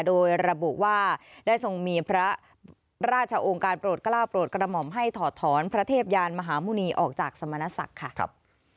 โดยระบุว่าได้ทรงมีพระราชองค์การโปรดกล้าวโปรดกระหม่อมให้ถอดถอนพระเทพยานมหาหมุณีออกจากสมณศักดิ์ค่ะ